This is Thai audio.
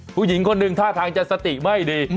ผู้หญิงคนหนึ่งท่าทางจะสติไม่ดี